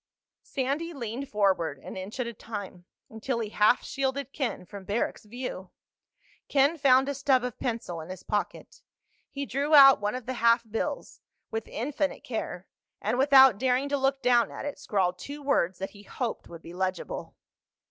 Sandy leaned forward, an inch at a time, until he half shielded Ken from Barrack's view. Ken found a stub of pencil in his pocket. He drew out one of the half bills, with infinite care, and without daring to look down at it scrawled two words that he hoped would be legible.